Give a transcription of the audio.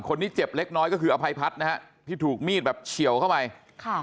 เจ็บเล็กน้อยก็คืออภัยพัฒน์นะฮะที่ถูกมีดแบบเฉียวเข้าไปค่ะ